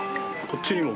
こっちにも。